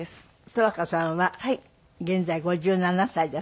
十和子さんは現在５７歳だそうですけども。